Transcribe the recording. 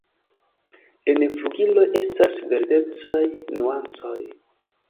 En flugiloj estas verdecaj nuancoj.